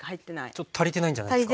ちょっと足りてないんじゃないですか？